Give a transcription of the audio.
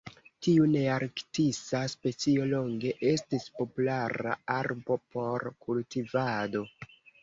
Tiu nearktisa specio longe estis populara arbo por kultivado.